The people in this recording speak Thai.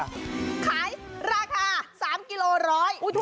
ขายราคา๓กิโลร้อย